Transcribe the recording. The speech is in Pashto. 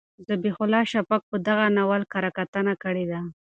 ذبیح الله شفق په دغه ناول کره کتنه کړې ده.